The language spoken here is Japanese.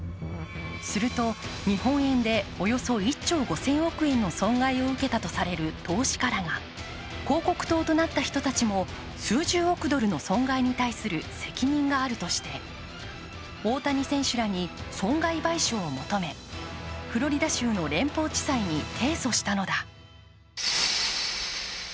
すると、日本円でおよそ１兆５０００億円の損害を受けたとされる投資家らが広告塔となった人たちも数十億ドルの損害に対する責任があるとして、大谷選手らに損害賠償を求めフロリダ州の連邦地裁に提訴したのだ。